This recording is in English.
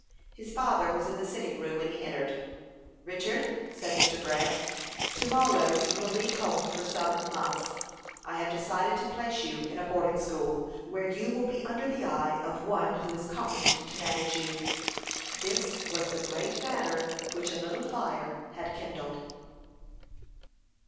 His father was in the sitting room when he entered. "Richard," said Mr. Grant, "to morrow you will leave home for some months. I have decided to place you in a boarding school, where you will be under the eye of one who is competent to manage you." This was the great matter which a little fire had kindled.